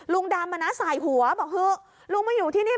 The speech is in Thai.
ลุงดำสายหัวบอกเถอะลุงมาอยู่ที่นี่